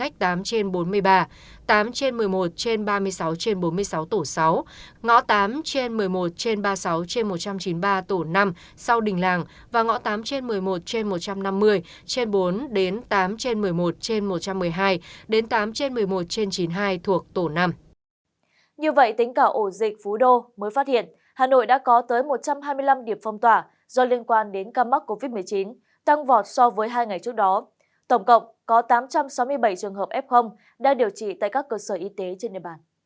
hãy đăng ký kênh để ủng hộ kênh của chúng mình nhé